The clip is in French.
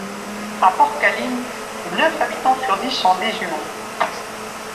A Portcalim, neuf habitants sur dix sont des humains.